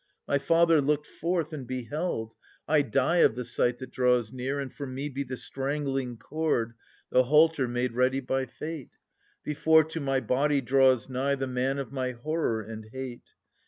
iMy father looked forth and beheld : I die of the sight that draws near. And for me be the strangling cord, the halter made ready by fate, Before to my body draws nigh the man of my horror and hate.